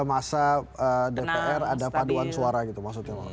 berada pada masa dpr ada paduan suara gitu maksudnya